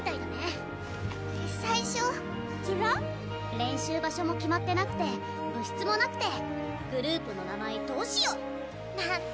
練習場所も決まってなくて部室もなくてグループの名前どうしよう！なんて